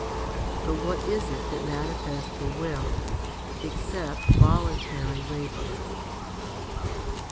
But what is it that manifests the will, except voluntary labour